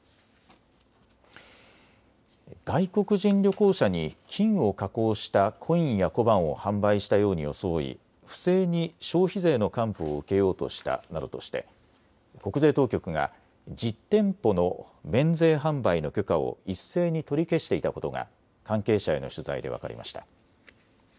外国人旅行者に金を加工したコインや小判を販売したように装い、不正に消費税の還付を受けようとしたなどとして国税当局が１０店舗の免税販売の許可を一斉に取り消していたことが関係者への取材で分かりました。